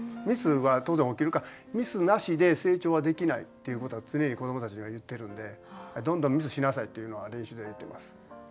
ミスは当然起きるからミスなしで成長はできないっていうことは常に子どもたちには言ってるんでどんどんミスしなさいっていうのは練習で言っています。